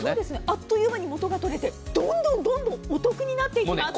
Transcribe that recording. あっという間に元が取れてどんどんお得になっていきます。